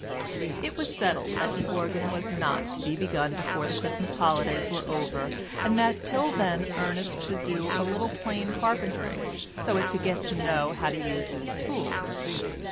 It was settled that the organ was not to be begun before the Christmas holidays were over, and that till then Ernest should do a little plain carpentering, so as to get to know how to use his tools.